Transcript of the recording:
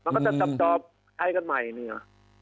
มันก็จะจับจอใครกันใหม่เนี่ย